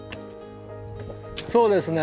そうですね。